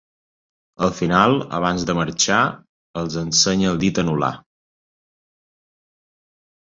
Al final, abans de marxar, els ensenya el dit anul·lar.